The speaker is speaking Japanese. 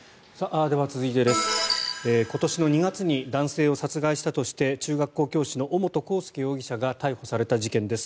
今年の２月に男性を殺害したとして中学校教師の尾本幸祐容疑者が逮捕された事件です。